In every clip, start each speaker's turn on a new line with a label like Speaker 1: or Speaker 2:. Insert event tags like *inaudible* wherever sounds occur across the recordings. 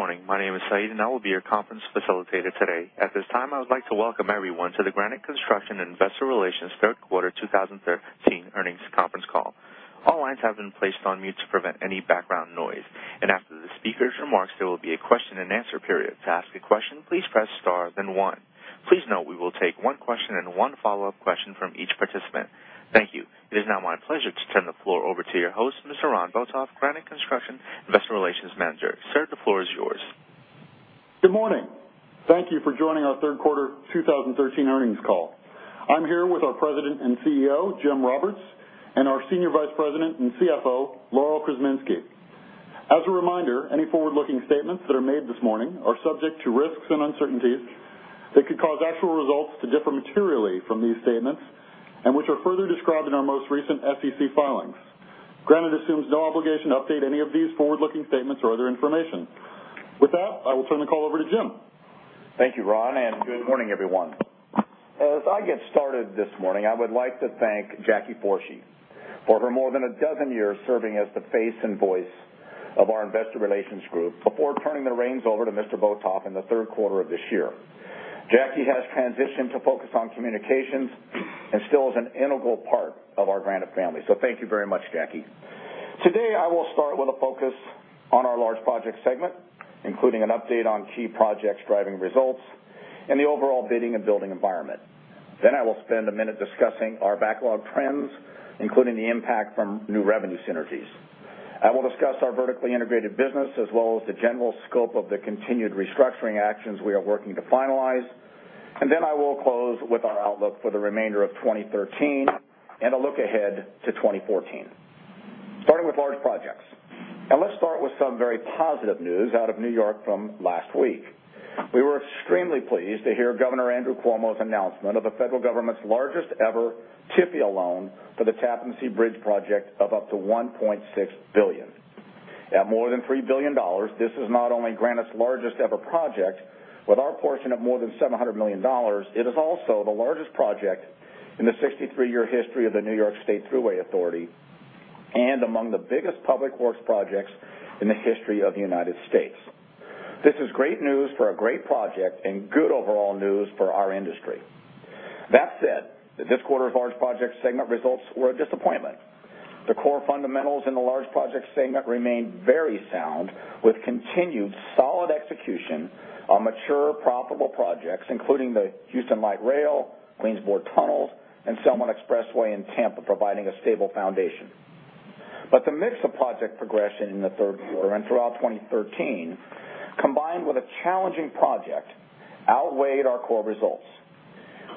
Speaker 1: Good morning. My name is Saeed, and I will be your conference facilitator today. At this time, I would like to welcome everyone to the Granite Construction Investor Relations third-quarter 2013 earnings conference call. All lines have been placed on mute to prevent any background noise, and after the speaker's remarks, there will be a question-and-answer period. To ask a question, please press star, then one. Please note we will take one question and one follow-up question from each participant. Thank you. It is now my pleasure to turn the floor over to your host, Mr. Ron Botoff, Granite Construction Investor Relations Manager. Sir, the floor is yours.
Speaker 2: Good morning. Thank you for joining our third quarter 2013 earnings call. I'm here with our President and CEO, Jim Roberts, and our Senior Vice President and CFO, Laurel Krzeminski. As a reminder, any forward-looking statements that are made this morning are subject to risks and uncertainties that could cause actual results to differ materially from these statements and which are further described in our most recent SEC filings. Granite assumes no obligation to update any of these forward-looking statements or other information. With that, I will turn the call over to Jim.
Speaker 3: Thank you, Ron, and good morning, everyone. As I get started this morning, I would like to thank Jacque Fourchy for her more than a dozen years serving as the face and voice of our Investor Relations Group before turning the reins over to Mr. Botoff in the third quarter of this year. Jacque has transitioned to focus on communications and still is an integral part of our Granite family, so thank you very much, Jacque. Today, I will start with a focus on our large project segment, including an update on key projects driving results and the overall bidding and building environment. I will spend a minute discussing our backlog trends, including the impact from new revenue synergies. I will discuss our vertically integrated business as well as the general scope of the continued restructuring actions we are working to finalize, and then I will close with our outlook for the remainder of 2013 and a look ahead to 2014, starting with large projects. Let's start with some very positive news out of New York from last week. We were extremely pleased to hear Governor Andrew Cuomo's announcement of the federal government's largest-ever TIFIA loan for the Tappan Zee Bridge project of up to $1.6 billion. At more than $3 billion, this is not only Granite's largest ever project. With our portion of more than $700 million, it is also the largest project in the 63-year history of the New York State Thruway Authority and among the biggest public works projects in the history of the United States. This is great news for a great project and good overall news for our industry. That said, this quarter's large project segment results were a disappointment. The core fundamentals in the large project segment remained very sound, with continued solid execution on mature, profitable projects, including the Houston Light Rail, Queens Bored Tunnels, and Selmon Expressway in Tampa, providing a stable foundation. But the mix of project progression in the third quarter and throughout 2013, combined with a challenging project, outweighed our core results.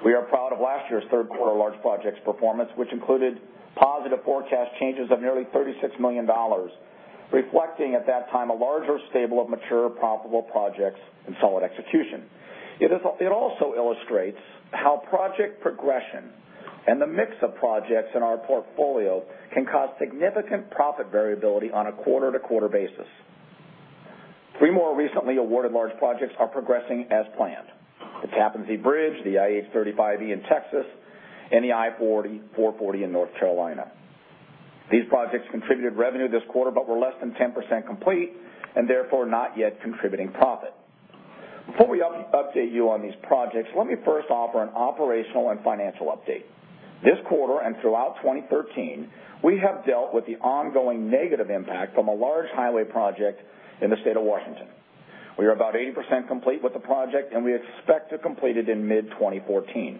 Speaker 3: We are proud of last year's third quarter large projects performance, which included positive forecast changes of nearly $36 million, reflecting at that time a larger stable of mature, profitable projects and solid execution. It also illustrates how project progression and the mix of projects in our portfolio can cause significant profit variability on a quarter-to-quarter basis. Three more recently awarded large projects are progressing as planned: the Tappan Zee Bridge, the IH-35E in Texas, and the I-40/440 in North Carolina. These projects contributed revenue this quarter but were less than 10% complete and therefore not yet contributing profit. Before we update you on these projects, let me first offer an operational and financial update. This quarter and throughout 2013, we have dealt with the ongoing negative impact from a large highway project in the state of Washington. We are about 80% complete with the project, and we expect to complete it in mid-2014.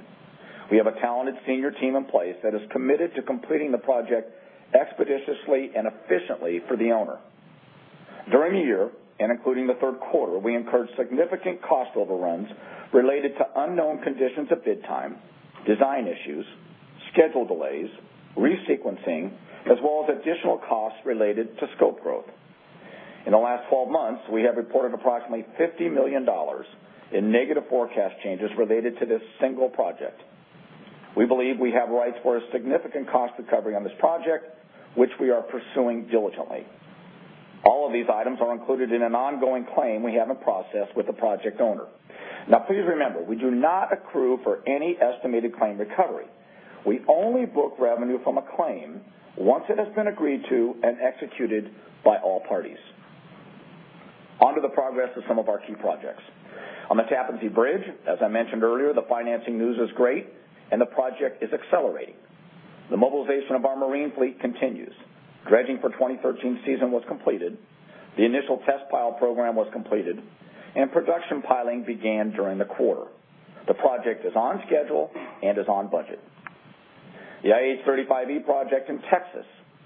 Speaker 3: We have a talented senior team in place that is committed to completing the project expeditiously and efficiently for the owner. During the year, and including the third quarter, we incurred significant cost overruns related to unknown conditions at bid time, design issues, schedule delays, re-sequencing, as well as additional costs related to scope growth. In the last 12 months, we have reported approximately $50 million in negative forecast changes related to this single project. We believe we have rights for a significant cost recovery on this project, which we are pursuing diligently. All of these items are included in an ongoing claim we have in process with the project owner. Now, please remember, we do not accrue for any estimated claim recovery. We only book revenue from a claim once it has been agreed to and executed by all parties. On to the progress of some of our key projects. On the Tappan Zee Bridge, as I mentioned earlier, the financing news is great, and the project is accelerating. The mobilization of our marine fleet continues. Dredging for 2013 season was completed. The initial test pile program was completed, and production piling began during the quarter. The project is on schedule and is on budget. The IH-35E project in Texas,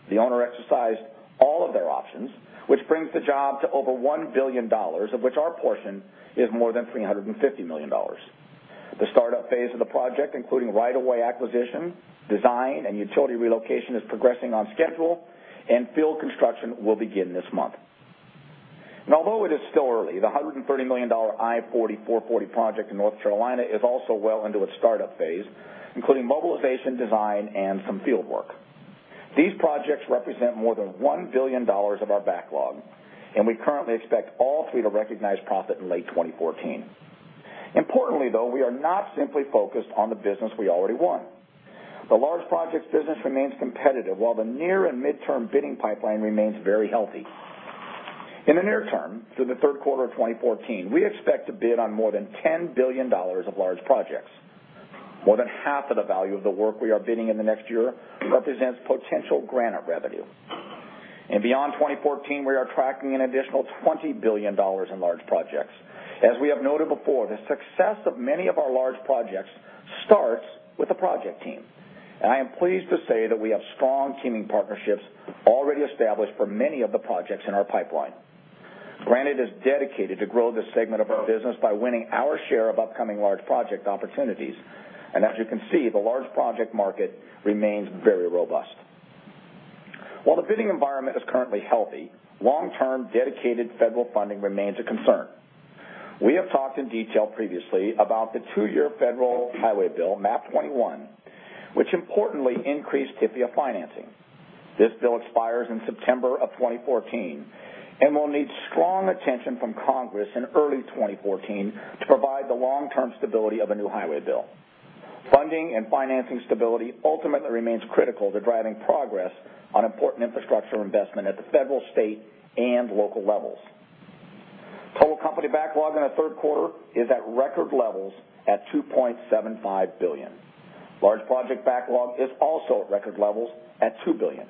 Speaker 3: the owner exercised all of their options, which brings the job to over $1 billion, of which our portion is more than $350 million. The startup phase of the project, including right-of-way acquisition, design, and utility relocation, is progressing on schedule, and field construction will begin this month. Although it is still early, the $130 million I-40/440 project in North Carolina is also well into its startup phase, including mobilization, design, and some field work. These projects represent more than $1 billion of our backlog, and we currently expect all three to recognize profit in late 2014. Importantly, though, we are not simply focused on the business we already won. The large projects business remains competitive, while the near and midterm bidding pipeline remains very healthy. In the near term, through the third quarter of 2014, we expect to bid on more than $10 billion of large projects. More than half of the value of the work we are bidding in the next year represents potential Granite revenue. And beyond 2014, we are tracking an additional $20 billion in large projects. As we have noted before, the success of many of our large projects starts with the project team, and I am pleased to say that we have strong teaming partnerships already established for many of the projects in our pipeline. Granite is dedicated to grow the segment of our business by winning our share of upcoming large project opportunities, and as you can see, the large project market remains very robust. While the bidding environment is currently healthy, long-term dedicated federal funding remains a concern. We have talked in detail previously about the two-year federal highway bill, MAP-21, which importantly increased TIFIA financing. This bill expires in September of 2014 and will need strong attention from Congress in early 2014 to provide the long-term stability of a new highway bill. Funding and financing stability ultimately remains critical to driving progress on important infrastructure investment at the federal, state, and local levels. Total company backlog in the third quarter is at record levels at $2.75 billion. Large project backlog is also at record levels at $2 billion.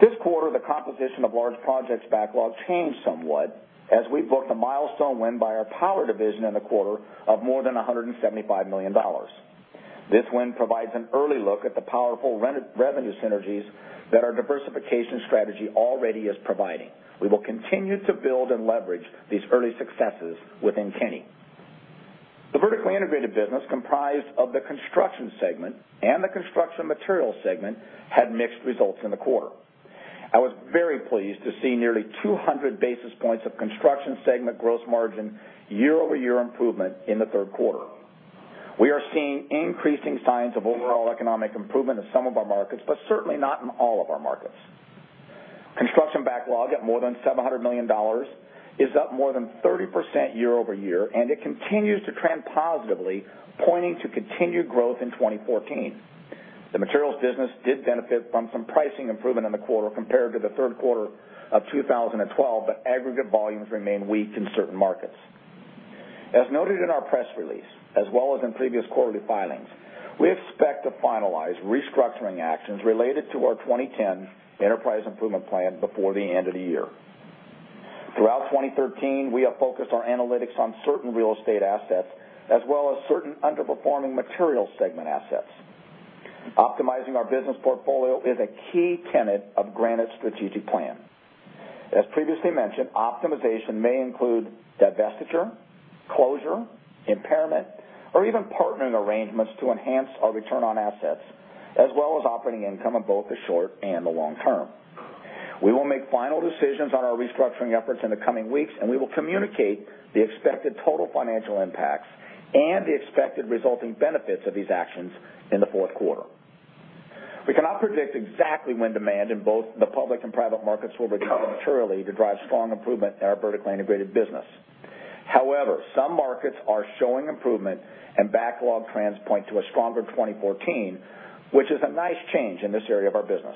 Speaker 3: This quarter, the composition of large projects backlog changed somewhat as we booked a milestone win by our power division in the quarter of more than $175 million. This win provides an early look at the powerful revenue synergies that our diversification strategy already is providing. We will continue to build and leverage these early successes within Kenny. The vertically integrated business comprised of the construction segment and the construction materials segment had mixed results in the quarter. I was very pleased to see nearly 200 basis points of construction segment gross margin year-over-year improvement in the third quarter. We are seeing increasing signs of overall economic improvement in some of our markets, but certainly not in all of our markets. Construction backlog at more than $700 million is up more than 30% year-over-year, and it continues to trend positively, pointing to continued growth in 2014. The materials business did benefit from some pricing improvement in the quarter compared to the third quarter of 2012, but aggregate volumes remain weak in certain markets. As noted in our press release, as well as in previous quarterly filings, we expect to finalize restructuring actions related to our 2010 Enterprise Improvement Plan before the end of the year. Throughout 2013, we have focused our analytics on certain real estate assets as well as certain underperforming materials segment assets. Optimizing our business portfolio is a key tenet of Granite's strategic plan. As previously mentioned, optimization may include divestiture, closure, impairment, or even partnering arrangements to enhance our return on assets as well as operating income on both the short and the long term. We will make final decisions on our restructuring efforts in the coming weeks, and we will communicate the expected total financial impacts and the expected resulting benefits of these actions in the fourth quarter. We cannot predict exactly when demand in both the public and private markets will recover materially to drive strong improvement in our vertically integrated business. However, some markets are showing improvement, and backlog trends point to a stronger 2014, which is a nice change in this area of our business.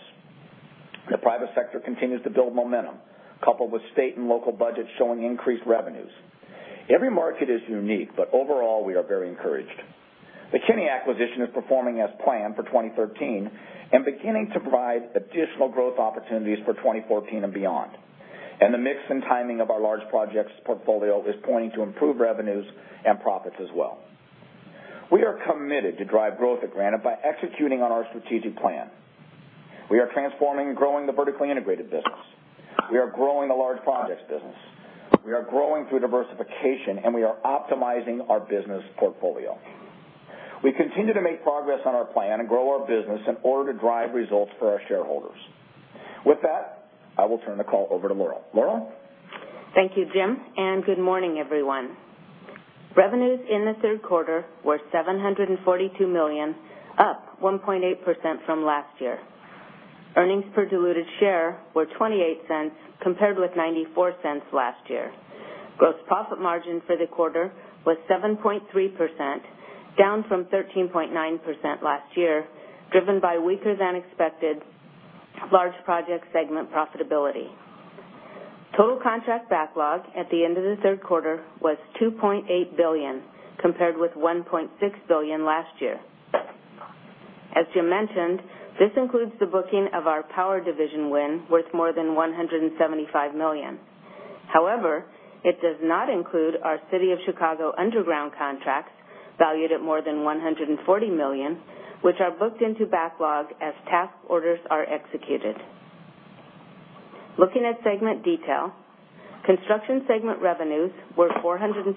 Speaker 3: The private sector continues to build momentum, coupled with state and local budgets showing increased revenues. Every market is unique, but overall, we are very encouraged. The Kenny acquisition is performing as planned for 2013 and beginning to provide additional growth opportunities for 2014 and beyond, and the mix and timing of our large projects portfolio is pointing to improved revenues and profits as well. We are committed to drive growth at Granite by executing on our strategic plan. We are transforming and growing the vertically integrated business. We are growing the large projects business. We are growing through diversification, and we are optimizing our business portfolio. We continue to make progress on our plan and grow our business in order to drive results for our shareholders. With that, I will turn the call over to Laurel. Laurel?
Speaker 4: Thank you, Jim. Good morning, everyone. Revenues in the third quarter were $742 million, up 1.8% from last year. Earnings per diluted share were $0.28 compared with $0.94 last year. Gross profit margin for the quarter was 7.3%, down from 13.9% last year, driven by weaker-than-expected large project segment profitability. Total contract backlog at the end of the third quarter was $2.8 billion compared with $1.6 billion last year. As Jim mentioned, this includes the booking of our power division win worth more than $175 million. However, it does not include our City of Chicago underground contracts valued at more than $140 million, which are booked into backlog as task orders are executed. Looking at segment detail, construction segment revenues were $471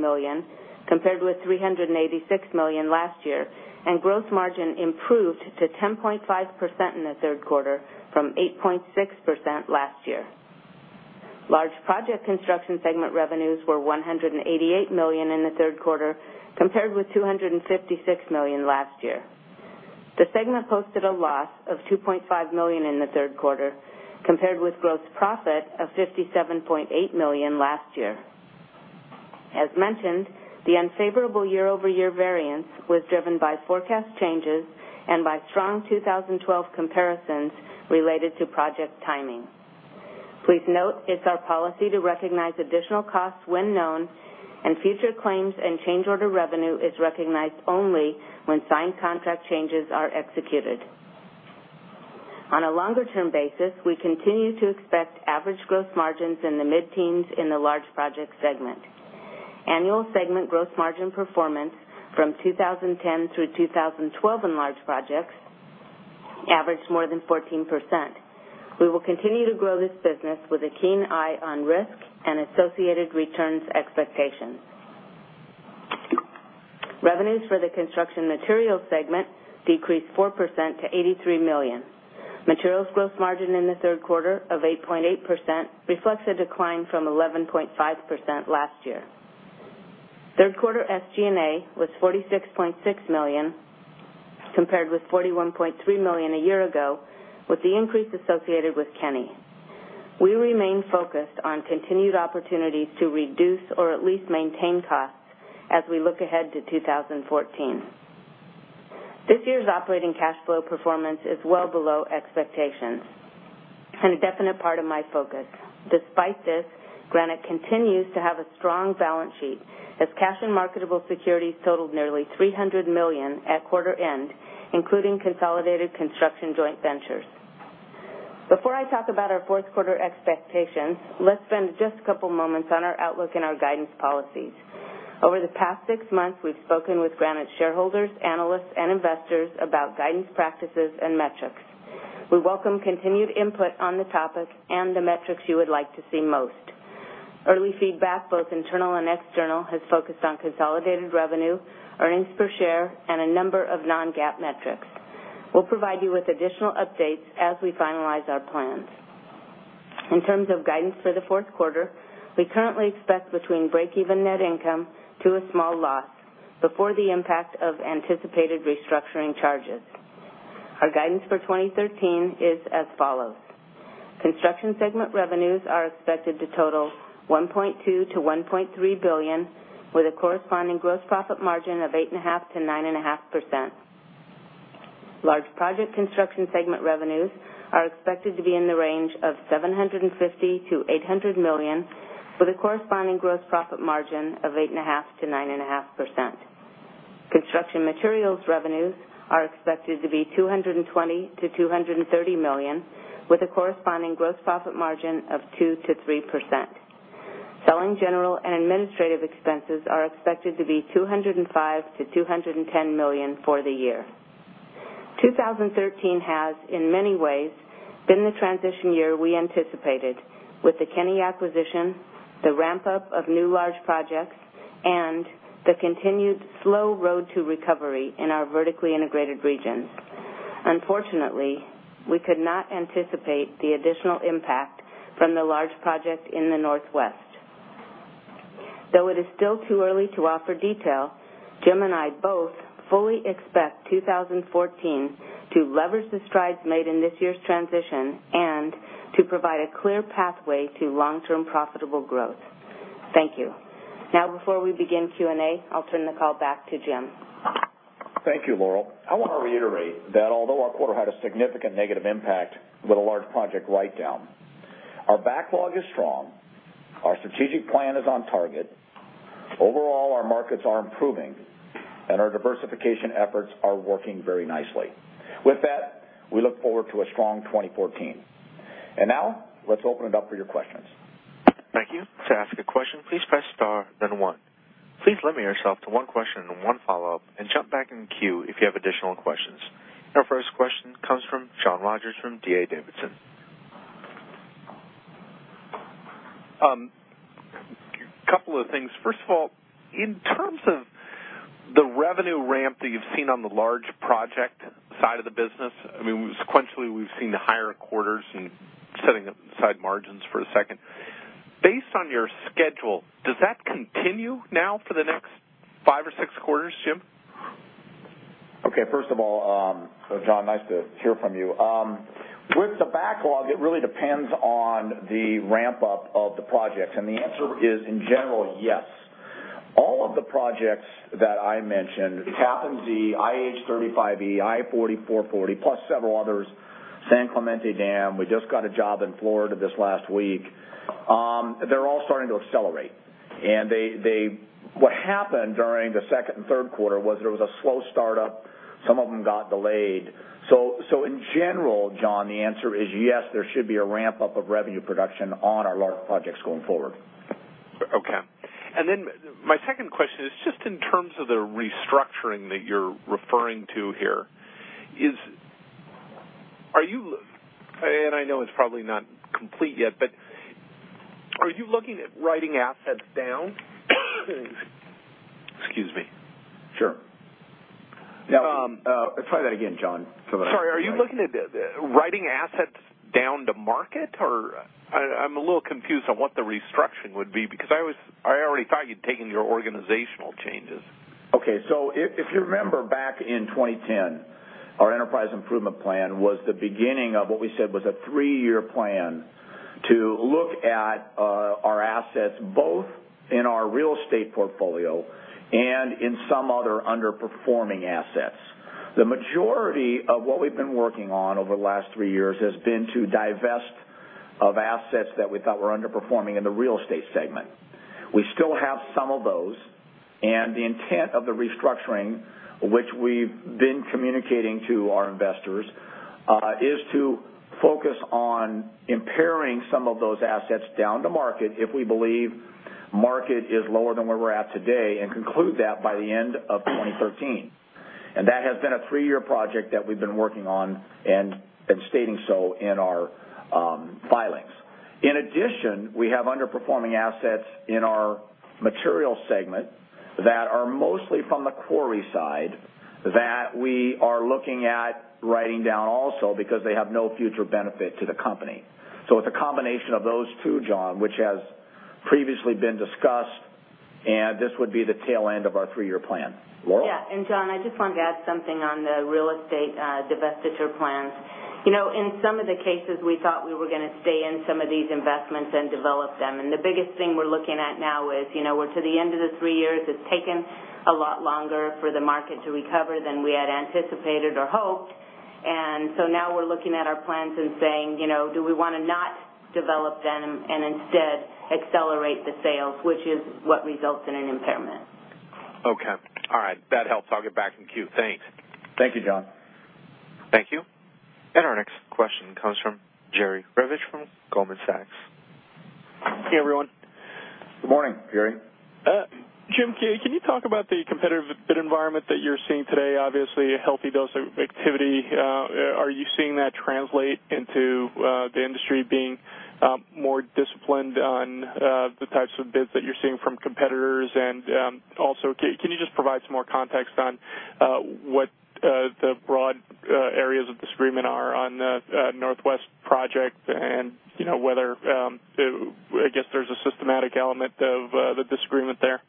Speaker 4: million compared with $386 million last year, and gross margin improved to 10.5% in the third quarter from 8.6% last year. Large project construction segment revenues were $188 million in the third quarter compared with $256 million last year. The segment posted a loss of $2.5 million in the third quarter compared with gross profit of $57.8 million last year. As mentioned, the unfavorable year-over-year variance was driven by forecast changes and by strong 2012 comparisons related to project timing. Please note it's our policy to recognize additional costs when known, and future claims and change order revenue is recognized only when signed contract changes are executed. On a longer-term basis, we continue to expect average gross margins in the mid-teens in the large project segment. Annual segment gross margin performance from 2010 through 2012 in large projects averaged more than 14%. We will continue to grow this business with a keen eye on risk and associated returns expectations. Revenues for the construction materials segment decreased 4% to $83 million. Materials gross margin in the third quarter of 8.8% reflects a decline from 11.5% last year. Third quarter SG&A was $46.6 million compared with $41.3 million a year ago, with the increase associated with Kenny. We remain focused on continued opportunities to reduce or at least maintain costs as we look ahead to 2014. This year's operating cash flow performance is well below expectations and a definite part of my focus. Despite this, Granite continues to have a strong balance sheet as cash and marketable securities totaled nearly $300 million at quarter end, including consolidated construction joint ventures. Before I talk about our fourth quarter expectations, let's spend just a couple of moments on our outlook and our guidance policies. Over the past six months, we've spoken with Granite shareholders, analysts, and investors about guidance practices and metrics. We welcome continued input on the topic and the metrics you would like to see most. Early feedback, both internal and external, has focused on consolidated revenue, earnings per share, and a number of non-GAAP metrics. We'll provide you with additional updates as we finalize our plans. In terms of guidance for the fourth quarter, we currently expect between break-even net income to a small loss before the impact of anticipated restructuring charges. Our guidance for 2013 is as follows. Construction segment revenues are expected to total $1.2 billion-$1.3 billion, with a corresponding gross profit margin of 8.5%-9.5%. Large project construction segment revenues are expected to be in the range of $750 million-$800 million, with a corresponding gross profit margin of 8.5%-9.5%. Construction materials revenues are expected to be $220 million-$230 million, with a corresponding gross profit margin of 2%-3%. Selling general and administrative expenses are expected to be $205 million-$210 million for the year. 2013 has, in many ways, been the transition year we anticipated, with the Kenny acquisition, the ramp-up of new large projects, and the continued slow road to recovery in our vertically integrated regions. Unfortunately, we could not anticipate the additional impact from the large project in the Northwest. Though it is still too early to offer detail, Jim and I both fully expect 2014 to leverage the strides made in this year's transition and to provide a clear pathway to long-term profitable growth. Thank you. Now, before we begin Q&A, I'll turn the call back to Jim.
Speaker 3: Thank you, Laurel. I want to reiterate that although our quarter had a significant negative impact with a large project write-down, our backlog is strong, our strategic plan is on target, overall our markets are improving, and our diversification efforts are working very nicely. With that, we look forward to a strong 2014. Now, let's open it up for your questions.
Speaker 1: Thank you. To ask a question, please press star then one. Please limit yourself to one question and one follow-up, and jump back in queue if you have additional questions. Our first question comes from John Rogers from D.A. Davidson.
Speaker 5: Couple of things. First of all, in terms of the revenue ramp that you've seen on the large project side of the business, I mean, sequentially we've seen the higher quarters and setting aside margins for a second. Based on your schedule, does that continue now for the next five or six quarters, Jim?
Speaker 3: Okay. First of all, John, nice to hear from you. With the backlog, it really depends on the ramp-up of the projects, and the answer is, in general, yes. All of the projects that I mentioned, Tappan Zee, IH-35E, I-40/440, plus several others, San Clemente Dam, we just got a job in Florida this last week, they're all starting to accelerate. And what happened during the second and third quarter was there was a slow start-up, some of them got delayed. So in general, John, the answer is yes, there should be a ramp-up of revenue production on our large projects going forward.
Speaker 5: Okay. And then my second question is just in terms of the restructuring that you're referring to here, are you, and I know it's probably not complete yet, but are you looking at writing assets down? Excuse me.
Speaker 3: Sure. Try that again, John, so that I can.
Speaker 5: Sorry. Are you looking at writing assets down to market, or? I'm a little confused on what the restructuring would be because I already thought you'd taken your organizational changes.
Speaker 3: Okay. So if you remember back in 2010, our Enterprise Improvement Plan was the beginning of what we said was a three-year plan to look at our assets both in our real estate portfolio and in some other underperforming assets. The majority of what we've been working on over the last three years has been to divest of assets that we thought were underperforming in the real estate segment. We still have some of those, and the intent of the restructuring, which we've been communicating to our investors, is to focus on impairing some of those assets down to market if we believe market is lower than where we're at today and conclude that by the end of 2013. And that has been a three-year project that we've been working on and stating so in our filings. In addition, we have underperforming assets in our materials segment that are mostly from the quarry side that we are looking at writing down also because they have no future benefit to the company. So it's a combination of those two, John, which has previously been discussed, and this would be the tail end of our three-year plan. Laurel?
Speaker 4: Yeah. And John, I just wanted to add something on the real estate divestiture plans. In some of the cases, we thought we were going to stay in some of these investments and develop them. And the biggest thing we're looking at now is we're to the end of the three years. It's taken a lot longer for the market to recover than we had anticipated or hoped. And so now we're looking at our plans and saying, "Do we want to not develop them and instead accelerate the sales?" which is what results in an impairment.
Speaker 5: Okay. All right. That helps. I'll get back in queue. Thanks.
Speaker 3: Thank you, John.
Speaker 1: Thank you. And our next question comes from Jerry Revich from Goldman Sachs.
Speaker 6: Hey, everyone.
Speaker 3: Good morning, Jerry.
Speaker 6: Jim, can you talk about the competitive bid environment that you're seeing today? Obviously, a healthy dose of activity. Are you seeing that translate into the industry being more disciplined on the types of bids that you're seeing from competitors? And also, can you just provide some more context on what the broad areas of disagreement are on the Northwest project and whether, I guess, there's a systematic element of the disagreement there?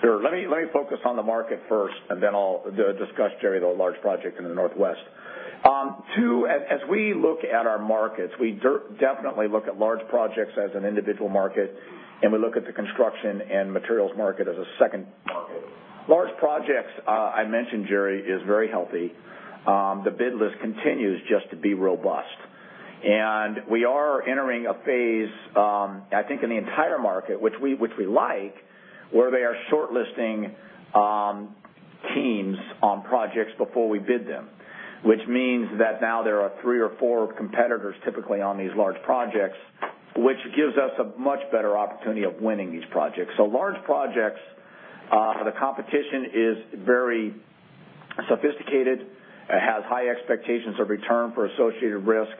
Speaker 3: Sure. Let me focus on the market first, and then I'll discuss, Jerry, the large project in the Northwest. Two, as we look at our markets, we definitely look at large projects as an individual market, and we look at the construction and materials market as a second market. Large projects, I mentioned, Jerry, is very healthy. The bid list continues just to be robust. And we are entering a phase, I think, in the entire market, which we like, where they are shortlisting teams on projects before we bid them, which means that now there are three or four competitors typically on these large projects, which gives us a much better opportunity of winning these projects. So large projects, the competition is very sophisticated. It has high expectations of return for associated risk.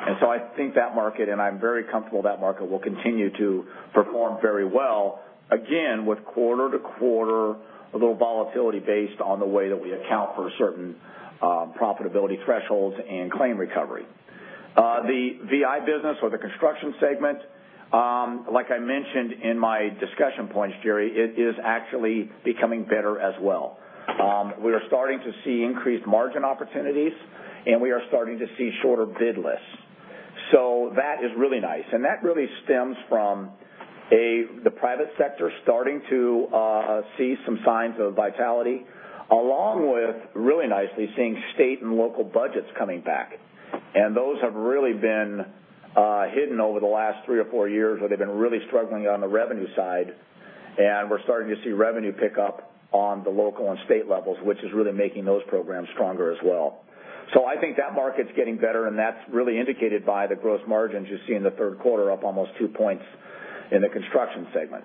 Speaker 3: And so I think that market, and I'm very comfortable that market will continue to perform very well, again, with quarter-to-quarter little volatility based on the way that we account for certain profitability thresholds and claim recovery. The VI business or the construction segment, like I mentioned in my discussion points, Jerry, it is actually becoming better as well. We are starting to see increased margin opportunities, and we are starting to see shorter bid lists. So that is really nice. And that really stems from the private sector starting to see some signs of vitality, along with really nicely seeing state and local budgets coming back. Those have really been hidden over the last three or four years where they've been really struggling on the revenue side, and we're starting to see revenue pick up on the local and state levels, which is really making those programs stronger as well. I think that market's getting better, and that's really indicated by the gross margins you see in the third quarter up almost two points in the construction segment.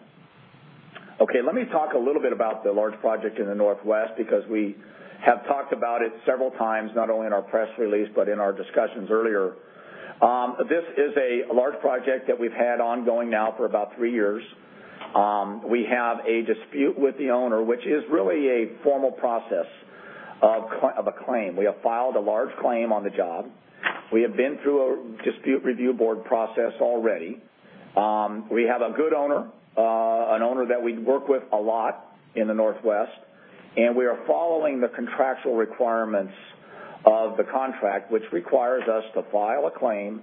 Speaker 3: Okay. Let me talk a little bit about the large project in the Northwest because we have talked about it several times, not only in our press release but in our discussions earlier. This is a large project that we've had ongoing now for about three years. We have a dispute with the owner, which is really a formal process of a claim. We have filed a large claim on the job. We have been through a dispute review board process already. We have a good owner, an owner that we work with a lot in the Northwest, and we are following the contractual requirements of the contract, which requires us to file a claim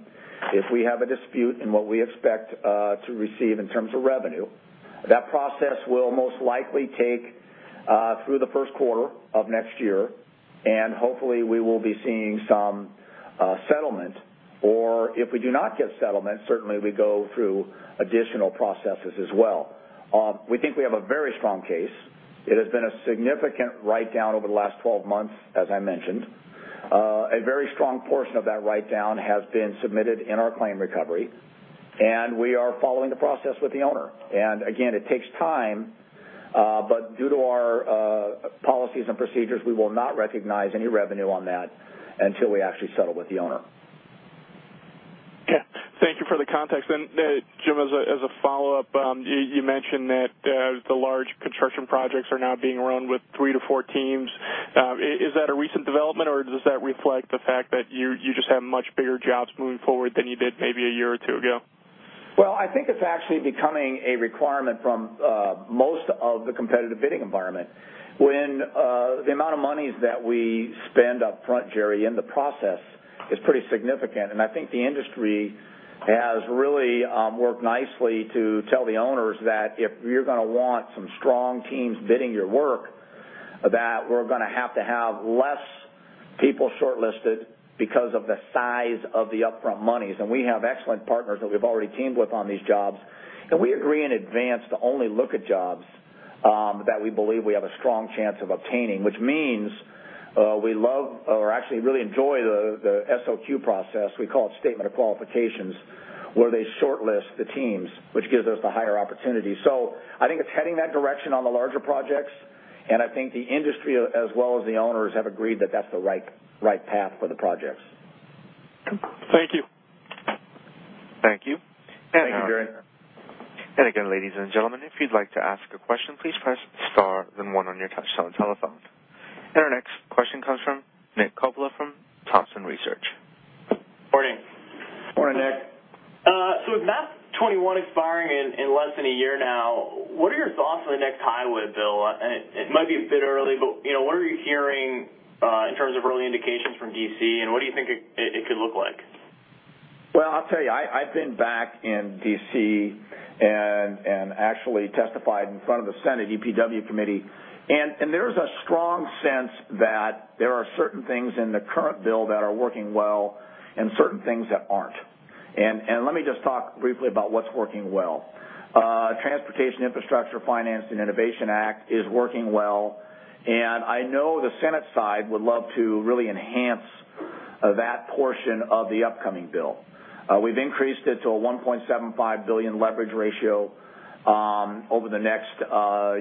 Speaker 3: if we have a dispute in what we expect to receive in terms of revenue. That process will most likely take through the first quarter of next year, and hopefully, we will be seeing some settlement. Or if we do not get settlement, certainly, we go through additional processes as well. We think we have a very strong case. It has been a significant write-down over the last 12 months, as I mentioned. A very strong portion of that write-down has been submitted in our claim recovery, and we are following the process with the owner. Again, it takes time, but due to our policies and procedures, we will not recognize any revenue on that until we actually settle with the owner.
Speaker 6: Okay. Thank you for the context. Jim, as a follow-up, you mentioned that the large construction projects are now being run with three-to-four teams. Is that a recent development, or does that reflect the fact that you just have much bigger jobs moving forward than you did maybe a year or two ago?
Speaker 3: Well, I think it's actually becoming a requirement from most of the competitive bidding environment when the amount of monies that we spend upfront, Jerry, in the process is pretty significant. And I think the industry has really worked nicely to tell the owners that if you're going to want some strong teams bidding your work, that we're going to have to have less people shortlisted because of the size of the upfront monies. And we have excellent partners that we've already teamed with on these jobs. And we agree in advance to only look at jobs that we believe we have a strong chance of obtaining, which means we love or actually really enjoy the SOQ process. We call it Statement of Qualifications, where they shortlist the teams, which gives us the higher opportunity. So I think it's heading that direction on the larger projects, and I think the industry as well as the owners have agreed that that's the right path for the projects.
Speaker 6: Thank you.
Speaker 1: Thank you. And again, ladies and gentlemen, if you'd like to ask a question, please press star then one on your touch-tone telephone. And our next question comes from Nick Coppola from Thompson Research.
Speaker 7: Morning.
Speaker 3: Morning, Nick.
Speaker 7: So with MAP-21 expiring in less than a year now, what are your thoughts on the next highway bill? It might be a bit early, but what are you hearing in terms of early indications from D.C., and what do you think it could look like?
Speaker 3: Well, I'll tell you, I've been back in D.C. and actually testified in front of the Senate EPW Committee, and there's a strong sense that there are certain things in the current bill that are working well and certain things that aren't. And let me just talk briefly about what's working well. Transportation Infrastructure Finance and Innovation Act is working well, and I know the Senate side would love to really enhance that portion of the upcoming bill. We've increased it to a $1.75 billion leverage ratio over the next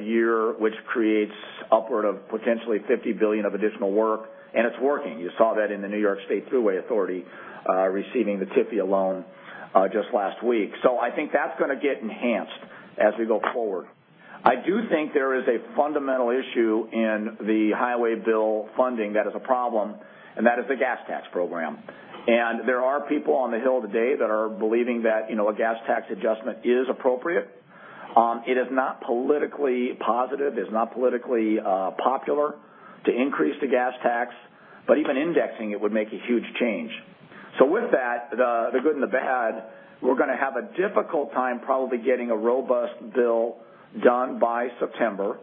Speaker 3: year, which creates upward of potentially $50 billion of additional work, and it's working. You saw that in the New York State Thruway Authority receiving the TIFIA loan just last week. So I think that's going to get enhanced as we go forward. I do think there is a fundamental issue in the highway bill funding that is a problem, and that is the gas tax program. There are people on the Hill today that are believing that a gas tax adjustment is appropriate. It is not politically positive. It's not politically popular to increase the gas tax, but even indexing it would make a huge change. With that, the good and the bad, we're going to have a difficult time probably getting a robust bill done by September.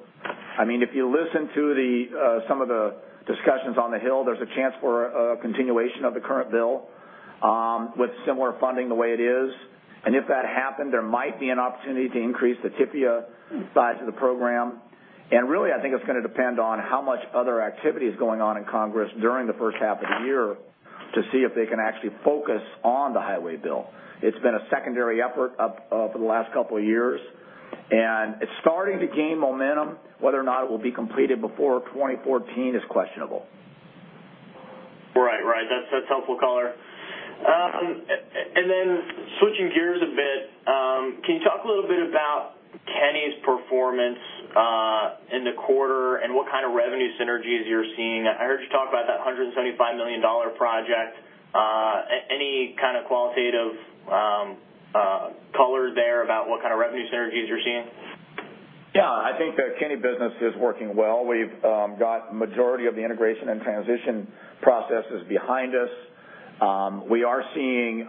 Speaker 3: I mean, if you listen to some of the discussions on the Hill, there's a chance for a continuation of the current bill with similar funding the way it is. If that happened, there might be an opportunity to increase the TIFIA size of the program. Really, I think it's going to depend on how much other activity is going on in Congress during the first half of the year to see if they can actually focus on the highway bill. It's been a secondary effort for the last couple of years, and it's starting to gain momentum. Whether or not it will be completed before 2014 is questionable.
Speaker 7: Right. Right. That's helpful color. And then switching gears a bit, can you talk a little bit about Kenny's performance in the quarter and what kind of revenue synergies you're seeing? I heard you talk about that $175 million project. Any kind of qualitative color there about what kind of revenue synergies you're seeing?
Speaker 3: Yeah. I think the Kenny business is working well. We've got the majority of the integration and transition processes behind us. We are seeing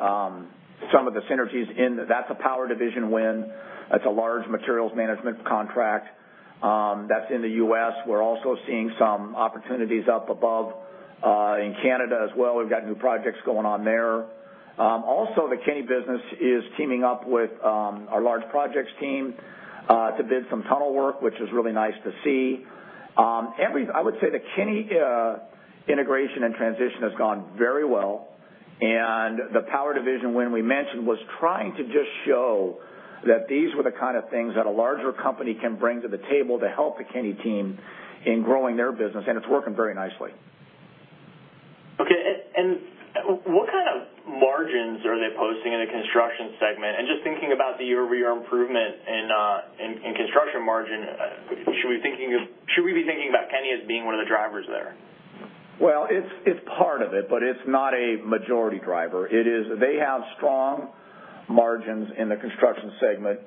Speaker 3: some of the synergies, in that’s a power division win. That’s a large materials management contract that’s in the U.S. We're also seeing some opportunities up above in Canada as well. We've got new projects going on there. Also, the Kenny business is teaming up with our large projects team to bid some tunnel work, which is really nice to see. I would say the Kenny integration and transition has gone very well. And the power division win we mentioned was trying to just show that these were the kind of things that a larger company can bring to the table to help the Kenny team in growing their business, and it's working very nicely.
Speaker 7: Okay. And what kind of margins are they posting in the construction segment? And just thinking about the year-over-year improvement in construction margin, should we be thinking about Kenny as being one of the drivers there?
Speaker 3: Well, it's part of it, but it's not a majority driver. They have strong margins in the construction segment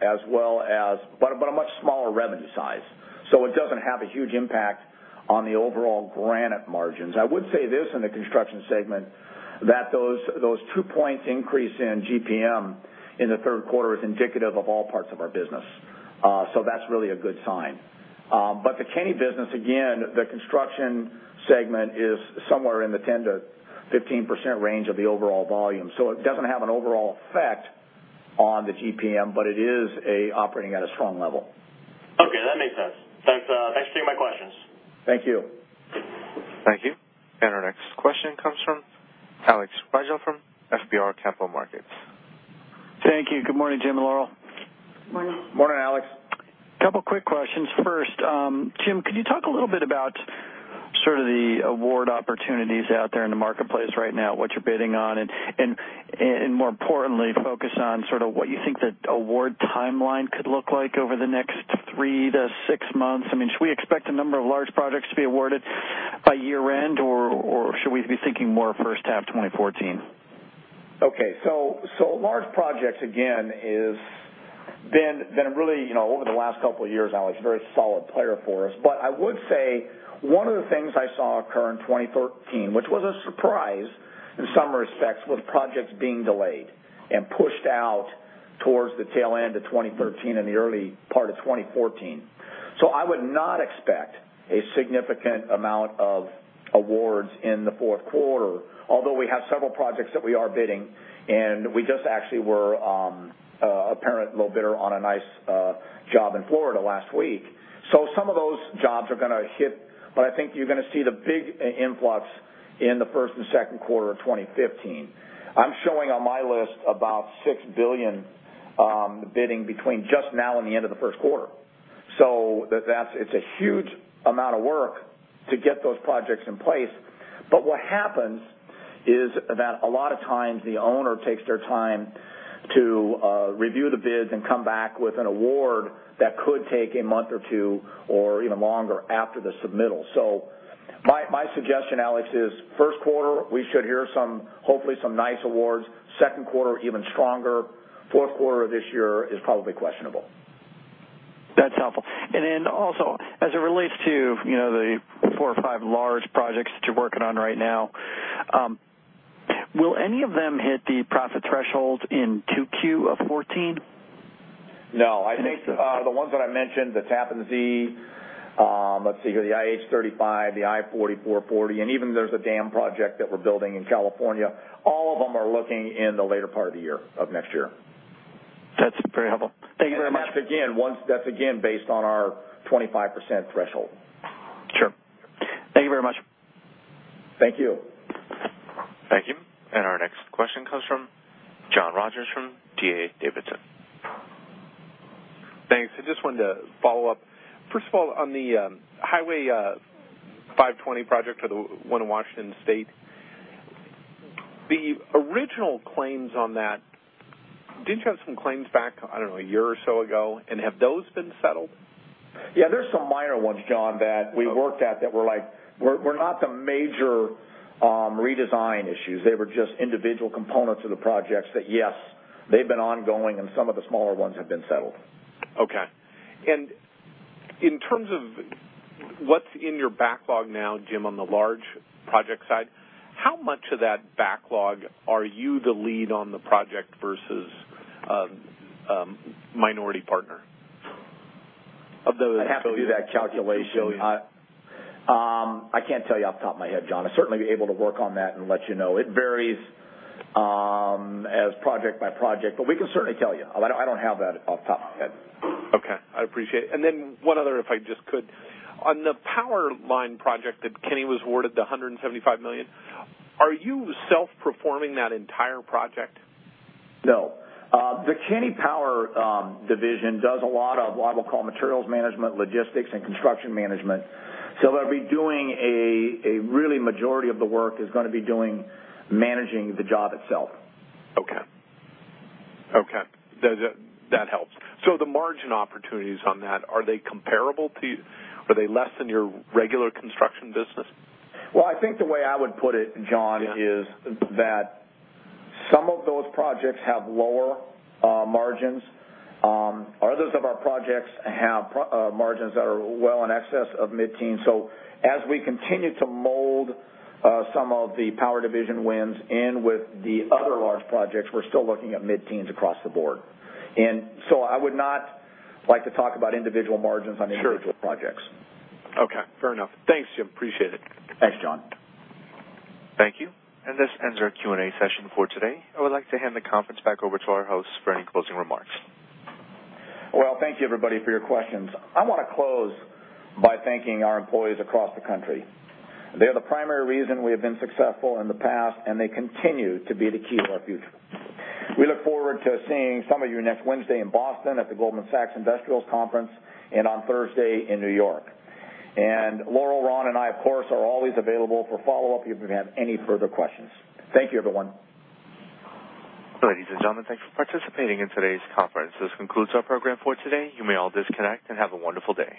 Speaker 3: as well as but a much smaller revenue size. So it doesn't have a huge impact on the overall Granite margins. I would say this in the construction segment, that those 2-point increase in GPM in the third quarter is indicative of all parts of our business. So that's really a good sign. But the Kenny business, again, the construction segment is somewhere in the 10%-15% range of the overall volume. So it doesn't have an overall effect on the GPM, but it is operating at a strong level.
Speaker 7: Okay. That makes sense. Thanks for taking my questions.
Speaker 3: Thank you.
Speaker 1: Thank you. And our next question comes from Alex *audio distortion* from FBR Capital Markets.
Speaker 8: Thank you. Good morning, Jim and Laurel.
Speaker 4: Good morning.
Speaker 3: Morning, Alex.
Speaker 8: Couple of quick questions. First, Jim, could you talk a little bit about sort of the award opportunities out there in the marketplace right now, what you're bidding on, and more importantly, focus on sort of what you think the award timeline could look like over the next three to six months? I mean, should we expect a number of large projects to be awarded by year-end, or should we be thinking more first half 2014?
Speaker 3: Okay. So large projects, again, have been really, over the last couple of years, Alex, a very solid player for us. But I would say one of the things I saw occur in 2013, which was a surprise in some respects, was projects being delayed and pushed out towards the tail end of 2013 and the early part of 2014. So I would not expect a significant amount of awards in the fourth quarter, although we have several projects that we are bidding, and we just actually were an apparent low bidder on a nice job in Florida last week. So some of those jobs are going to hit, but I think you're going to see the big influx in the first and second quarter of 2015. I'm showing on my list about $6 billion bidding between just now and the end of the first quarter. So it's a huge amount of work to get those projects in place. But what happens is that a lot of times the owner takes their time to review the bids and come back with an award that could take a month or two or even longer after the submittal. So my suggestion, Alex, is first quarter, we should hear hopefully some nice awards. Second quarter, even stronger. Fourth quarter of this year is probably questionable.
Speaker 8: That's helpful. And then also, as it relates to the four or five large projects that you're working on right now, will any of them hit the profit threshold in 2Q of 2014?
Speaker 3: No. I think the ones that I mentioned, the Tappan Zee, let's see here, the IH-35E, the I-40/440, and even there's a dam project that we're building in California. All of them are looking in the later part of the year of next year.
Speaker 8: That's very helpful. Thank you very much.
Speaker 3: That's again based on our 25% threshold.
Speaker 8: Sure. Thank you very much.
Speaker 3: Thank you.
Speaker 1: Thank you. Our next question comes from John Rogers from D.A. Davidson.
Speaker 5: Thanks. I just wanted to follow up. First of all, on the Highway 520 project for the one in Washington State, the original claims on that, didn't you have some claims back, I don't know, a year or so ago, and have those been settled?
Speaker 3: Yeah. There are some minor ones, John, that we worked at that were like we're not the major redesign issues. They were just individual components of the projects that, yes, they've been ongoing, and some of the smaller ones have been settled.
Speaker 5: Okay. And in terms of what's in your backlog now, Jim, on the large project side, how much of that backlog are you the lead on the project versus minority partner?
Speaker 3: I have to do that calculation. I can't tell you off the top of my head, John. I certainly will be able to work on that and let you know. It varies as project by project, but we can certainly tell you. I don't have that off the top of my head.
Speaker 5: Okay. I appreciate it. And then one other, if I just could, on the power line project that Kenny was awarded, the $175 million, are you self-performing that entire project?
Speaker 3: No. The Kenny Power division does a lot of what I will call materials management, logistics, and construction management. So they'll be doing a really majority of the work is going to be doing managing the job itself.
Speaker 5: Okay. Okay. That helps. So the margin opportunities on that, are they comparable to? Are they less than your regular construction business?
Speaker 3: Well, I think the way I would put it, John, is that some of those projects have lower margins. Others of our projects have margins that are well in excess of mid-teens. So as we continue to mold some of the power division wins in with the other large projects, we're still looking at mid-teens across the board. And so I would not like to talk about individual margins on individual projects.
Speaker 5: Sure. Okay. Fair enough. Thanks, Jim. Appreciate it.
Speaker 3: Thanks, John.
Speaker 1: Thank you. This ends our Q&A session for today. I would like to hand the conference back over to our hosts for any closing remarks.
Speaker 3: Well, thank you, everybody, for your questions. I want to close by thanking our employees across the country. They are the primary reason we have been successful in the past, and they continue to be the key to our future. We look forward to seeing some of you next Wednesday in Boston at the Goldman Sachs Industrials Conference and on Thursday in New York. And Laurel, Ron, and I, of course, are always available for follow-up if you have any further questions. Thank you, everyone.
Speaker 1: Ladies and gentlemen, thanks for participating in today's conference. This concludes our program for today. You may all disconnect and have a wonderful day.